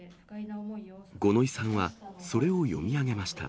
五ノ井さんはそれを読み上げました。